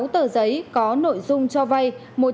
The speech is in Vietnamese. sáu tờ giấy có nội dung cho vay